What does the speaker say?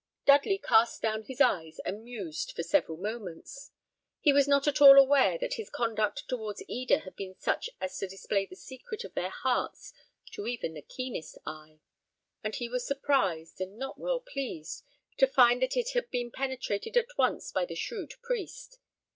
Dudley cast down his eyes and mused for several moments. He was not at all aware that his conduct towards Eda had been such as to display the secret of their hearts to even the keenest eye; and he was surprised, and not well pleased, to find that it had been penetrated at once by the shrewd priest.